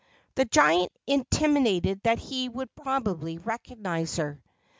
The giant intimated that he would probably recognize her.